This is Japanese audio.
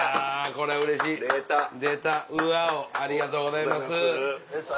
これうれしい出たウワオありがとうございます。